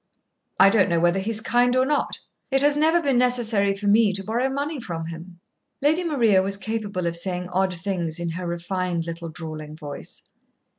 "I don't know whether he is kind or not. It has never been necessary for me to borrow money from him." Lady Maria was capable of saying odd things in her refined little drawling voice.